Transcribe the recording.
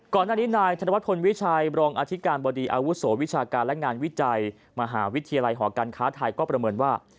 ก่อนหน้านี้นายธนวัฒนวิชัยบรองอธิการบดีอาวุโสวิชาการและงานวิจัยมหาวิทยาลัยหอการค้าไทยก็ประเมินว่า